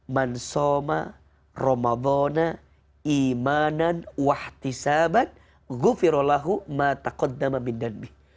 man soma ramadona imanan wahtisaban gufiro lahu matakalah